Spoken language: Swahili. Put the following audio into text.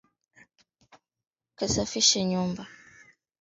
shika katika kazi ya madini iwe katika mtaa wa walikale mbubero masisi ruchuru